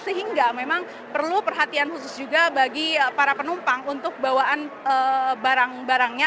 sehingga memang perlu perhatian khusus juga bagi para penumpang untuk bawaan barang barangnya